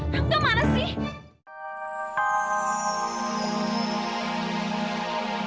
kamu tuh malas sih